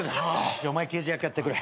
じゃあお前刑事役やってくれ。